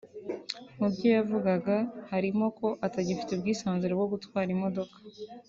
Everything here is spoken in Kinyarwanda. mu byo yavugaga harimo ko atagifite ubwisanzure bwo gutwara imodoka